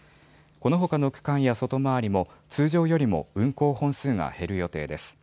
このほかの区間や外回りも通常よりも運行本数が減る予定です。